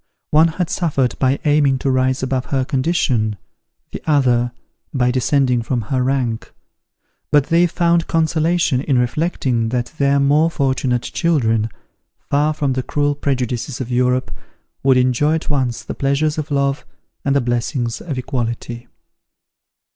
One had suffered by aiming to rise above her condition, the other by descending from her rank. But they found consolation in reflecting that their more fortunate children, far from the cruel prejudices of Europe, would enjoy at once the pleasures of love and the blessings of equality.